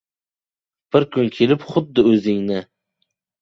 Bir kun kelib xuddi o‘zingni